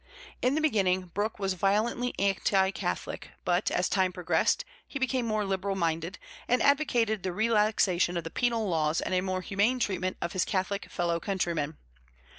In the beginning, Brooke was violently anti Catholic; but, as time progressed, he became more liberal minded, and advocated the relaxation of the penal laws and a more humane treatment of his Catholic fellow countrymen.